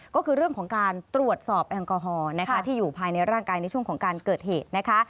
ก็คือเรื่องของการตรวจสอบแอลกอฮอล์นะคะที่อยู่ภายในร่างกายในช่วงของการเกิดเหตุนะคะ